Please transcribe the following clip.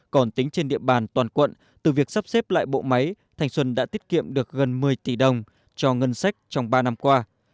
còn tính trên địa bàn toàn quận từ việc sắp xếp lại bộ máy thanh xuân đã tiết kiệm được gần một mươi tỷ đồng cho ngân sách trong ba năm qua